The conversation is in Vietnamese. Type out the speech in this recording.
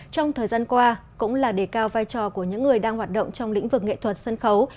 trong thời gian qua cũng là đề cao vai trò của những người đang hoạt động trong lĩnh vực nghệ thuật sân khấu